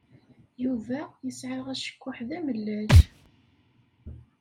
Yuba yesɛa acekkuḥ d amellal.